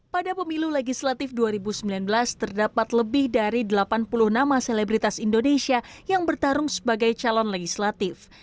pada pemilu legislatif dua ribu sembilan belas terdapat lebih dari delapan puluh nama selebritas indonesia yang bertarung sebagai calon legislatif